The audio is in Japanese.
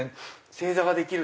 正座ができる。